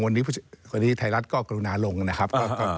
วันนี้ไทยรัฐก็กรุณาลงนะครับ